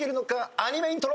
アニメイントロ。